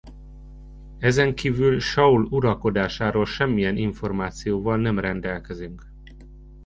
Ezen kívül Saul uralkodásáról semmilyen információval nem rendelkezünk.